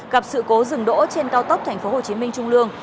gặp sự cố rừng đỗ trên cao tốc tp hcm trung lương